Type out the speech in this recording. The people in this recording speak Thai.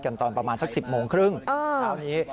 ตอนประมาณสัก๑๐โมงครึ่งเช้านี้